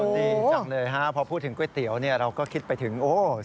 ดีจังเลยครับพอพูดถึงก๋วยเตี๋ยวเราก็คิดไปถึง๓๕๔๐